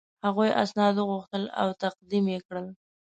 هغوی اسناد وغوښتل او تقدیم یې کړل.